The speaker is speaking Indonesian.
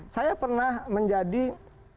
saya pernah menjadi ketua tim sukses